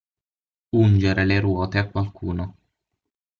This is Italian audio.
Ungere le ruote a qualcuno.